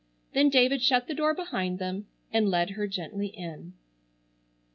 Then David shut the door behind them and led her gently in.